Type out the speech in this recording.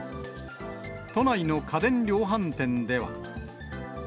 都内の家電量販店では。